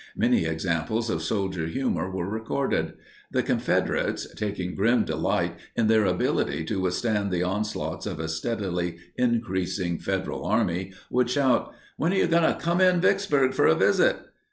Many examples of soldier humor were recorded. The Confederates, taking grim delight in their ability to withstand the onslaughts of a steadily increasing Federal Army, would shout "When are you coming in Vicksburg for a visit?"